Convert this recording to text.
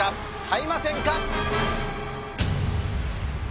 買いませんか？